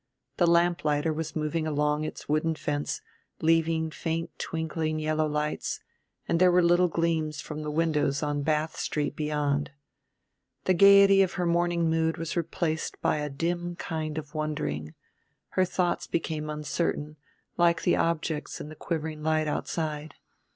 The lamplighter was moving along its wooden fence, leaving faint twinkling yellow lights, and there were little gleams from the windows on Bath Street beyond. The gayety of her morning mood was replaced by a dim kind of wondering, her thoughts became uncertain like the objects in the quivering light outside.